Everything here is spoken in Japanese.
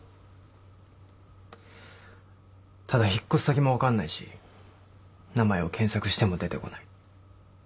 ただ引っ越し先も分かんないし名前を検索しても出てこない。